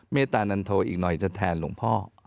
เมตตานันโทอีกหน่อยจะแทนหลวงพ่อ